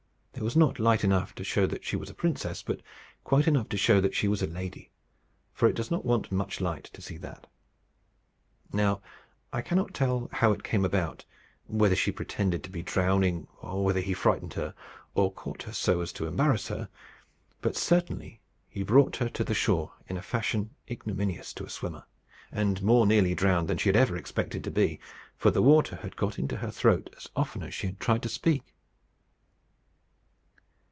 There was not light enough to show that she was a princess, but quite enough to show that she was a lady, for it does not want much light to see that. Now I cannot tell how it came about, whether she pretended to be drowning, or whether he frightened her, or caught her so as to embarrass her, but certainly he brought her to shore in a fashion ignominious to a swimmer, and more nearly drowned than she had ever expected to be; for the water had got into her throat as often as she had tried to speak.